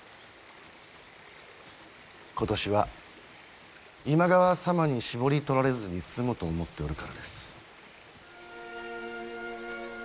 今年は、今川様に搾り取られずに済むと思っておるからです。